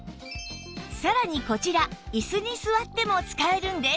さらにこちら椅子に座っても使えるんです